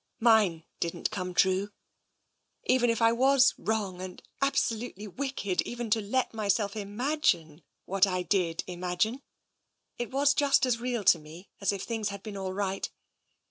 Mine didn't come true. Even if I was wrong and absolutely wicked even to let myself imagine what I did imagine, it was just as real to me as if things had been all right.